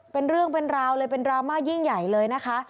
เป็นเรื่องเป็นราวเลยเป็นดราม่ายิ่งใหญ่เลยนะคะ